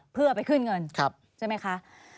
เพื่อไปขึ้นเงินใช่ไหมคะ